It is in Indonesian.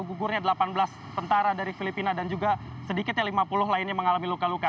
gugurnya delapan belas tentara dari filipina dan juga sedikitnya lima puluh lainnya mengalami luka luka